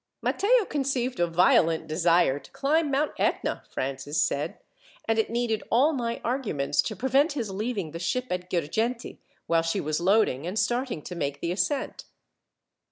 "Matteo conceived a violent desire to climb Mount Etna," Francis said, "and it needed all my arguments to prevent his leaving the ship at Girgenti, while she was loading, and starting to make the ascent."